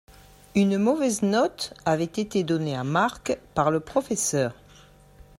Une mauvaise note avait été donnée à Mark par le professeur.